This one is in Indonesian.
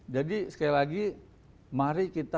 jadi sekali lagi mari kita tinggal